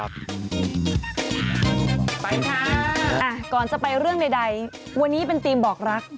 ไปค่ะก่อนจะไปเรื่องใดวันนี้เป็นธีมบอกรัก